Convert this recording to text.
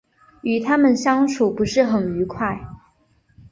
与他们相处不是很愉快